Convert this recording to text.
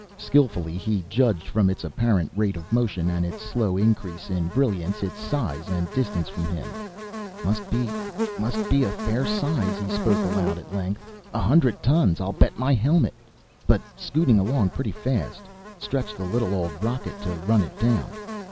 Skilfully he judged, from its apparent rate of motion and its slow increase in brilliance, its size and distance from him. "Must be must be fair size," he spoke aloud, at length. "A hundred tons, I'll bet my helmet! But scooting along pretty fast. Stretch the little old rocket to run it down."